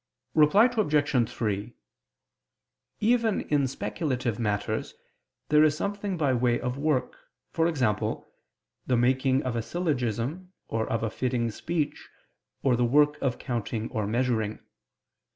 Reply Obj. 3: Even in speculative matters there is something by way of work: e.g. the making of a syllogism or of a fitting speech, or the work of counting or measuring.